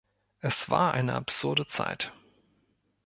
Es war eine absurde Zeit.